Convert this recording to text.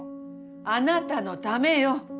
あなたのためよ。